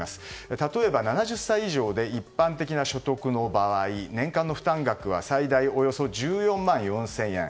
例えば、７０歳以上で一般的な所得の場合年間の負担額は最大およそ１４万４０００円。